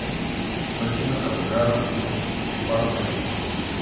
Los chinos capturaron y ocuparon las islas.